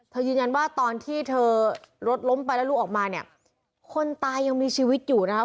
ยืนยันว่าตอนที่เธอรถล้มไปแล้วลูกออกมาเนี่ยคนตายยังมีชีวิตอยู่นะครับ